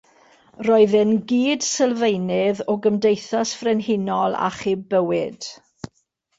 Roedd e'n gydsylfaenydd o Gymdeithas Frenhinol Achub Bywyd.